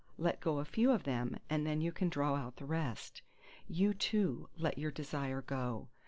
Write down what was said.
—"Let go a few of them, and then you can draw out the rest!"—You, too, let your desire go!